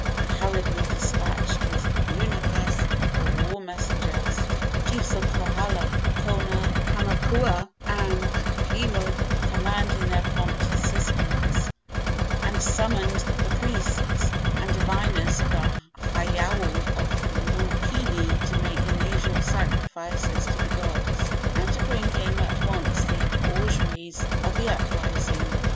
He hurriedly despatched his lunapais, or war messengers, to the chiefs of Kohala, Kona, Hamakua and Hilo, commanding their prompt assistance, and summoned the priests and diviners of the heiau of Mookini to make unusual sacrifices to the gods and to bring him at once the auguries of the uprising.